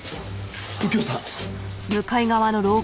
右京さん。